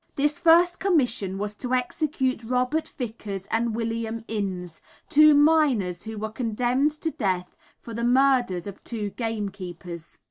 This first commission was to execute Robert Vickers and William Innes, two miners who were condemned to death for the murder of two game keepers.